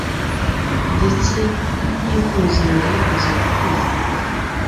Ndetse n'integuza yari yamaze kuvuka,